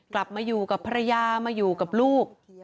กลับมาอยู่กับภรรยามาอยู่กับลูก